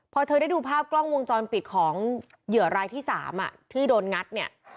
พอเธอได้ดูภาพกล้องวงจรปิดของเหยื่อรายที่๓ที่โดนงัดเนี่ย